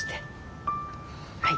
はい。